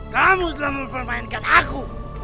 kamu telah mempermainkan aku